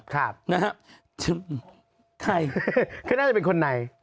ครับนะฮะใครคือน่าจะเป็นคนไหน